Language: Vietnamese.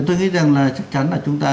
tôi nghĩ rằng là chắc chắn là chúng ta